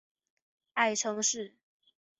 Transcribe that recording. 爱称是。